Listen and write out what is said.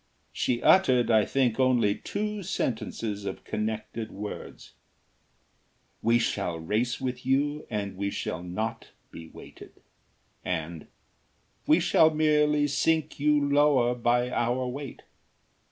She uttered, I think, only two sentences of connected words: "We shall race with you and we shall not be weighted," and, "We shall merely sink you lower by our weight."